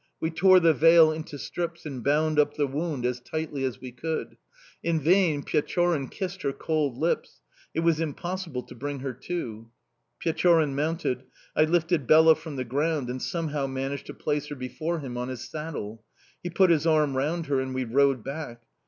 We tore the veil into strips and bound up the wound as tightly as we could. In vain Pechorin kissed her cold lips it was impossible to bring her to. "Pechorin mounted; I lifted Bela from the ground and somehow managed to place her before him on his saddle; he put his arm round her and we rode back.